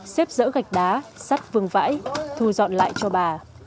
xếp dỡ gạch đá sắt vương vãi thu dọn lại cho bà